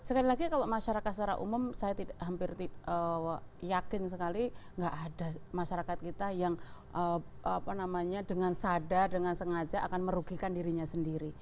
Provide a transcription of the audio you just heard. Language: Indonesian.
sekali lagi kalau masyarakat secara umum saya hampir yakin sekali nggak ada masyarakat kita yang dengan sadar dengan sengaja akan merugikan dirinya sendiri